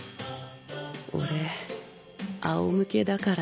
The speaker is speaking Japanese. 俺あお向けだから。